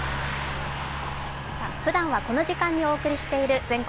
ふだんはこの時間にお送りしている「全国！